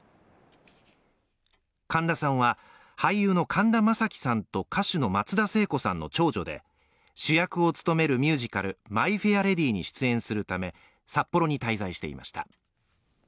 神田さんは俳優の神田正輝さんと歌手の松田聖子さんのの長女で主役を務めるミュージカル「マイ・フェア・レディ」に出演するため札幌に滞在していました。